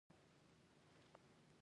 شمالي برخه یې هم صنعتي ده.